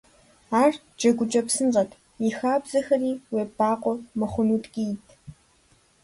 Ар джэгукӀэ псынщӏэт, и хабзэхэри уебакъуэ мыхъуну ткӀийт.